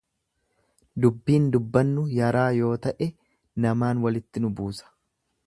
Dubbiin dubbannu yaraa yoo ta'e namaan walitti nu buusa.